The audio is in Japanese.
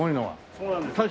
そうなんです。